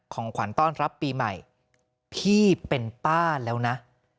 ของขวัญต้อนรับปีใหม่พี่เป็นป้าแล้วนะ